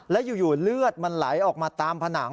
แล้วอยู่เลือดมันไหลออกมาตามผนัง